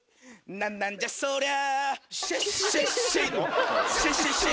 なんなんじゃそりゃ。